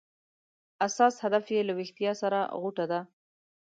اساس هدف یې له ویښتیا سره غوټه ده.